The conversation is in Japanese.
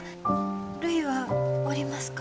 るいはおりますか？